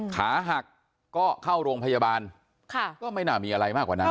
ขาหักก็เข้าโรงพยาบาลก็ไม่น่ามีอะไรมากกว่านั้น